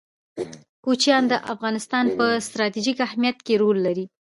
کوچیان د افغانستان په ستراتیژیک اهمیت کې رول لري.